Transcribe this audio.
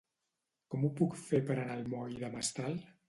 Com ho puc fer per anar al moll de Mestral?